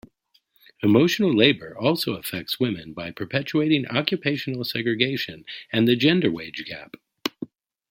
Emotional labor also affects women by perpetuating occupational segregation and the gender wage gap.